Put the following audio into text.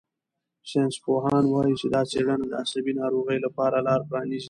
ساینسپوهان وايي چې دا څېړنه د عصبي ناروغیو لپاره لار پرانیزي.